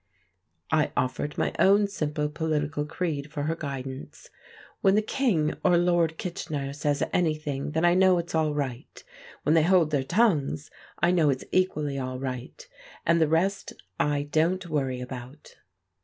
I offered my own simple political creed for her guidance: "When the King or Lord Kitchener says anything, then I know it's all right. When they hold their tongues, I know it's equally all right; and the rest I don't worry about!"